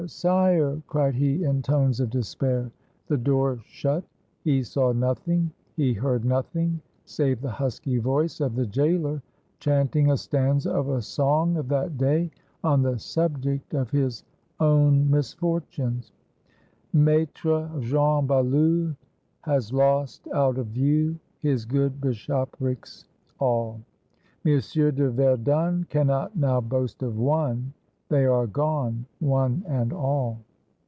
sire!" cried he, in tones of despair. The door shut. He saw nothing, he heard nothing save the husky voice of the jailer chanting a stanza of a song of that day on the subject of his own misfortunes :— "Maitre Jehan Balue Has lost out of view His good bishoprics all: Monsieur de Verdun Cannot now boast of one; They are gone, one and all."